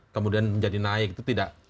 kemudian menjadi naik itu tidak